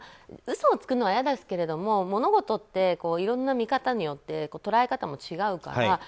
嘘をつくのは嫌ですけれども物事っていろんな見方によって捉え方も違うから。